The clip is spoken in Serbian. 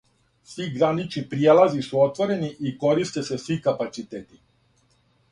Сви гранични пријелази су отворени и користе се сви капацитети.